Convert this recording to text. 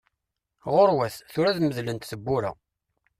Ɣuṛwat, tura ad medlent teppura!